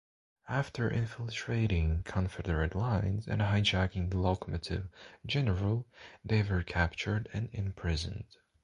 After infiltrating Confederate lines and hijacking the locomotive "General," they were captured and imprisoned.